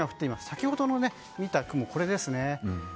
先ほどの見た雲、これですね。